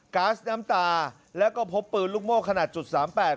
การ์สน้ำตาแล้วก็พบปืนลุกโม่ขนาด๐๓๘